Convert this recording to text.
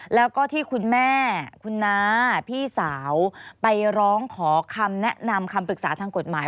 แล้วก็ที่คุณแม่คุณน้าพี่สาวไปร้องขอคำแนะนำคำปรึกษาทางกฎหมาย